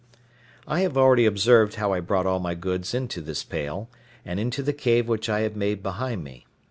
I have already observed how I brought all my goods into this pale, and into the cave which I had made behind me.